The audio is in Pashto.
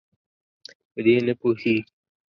په دې نه پوهیږي.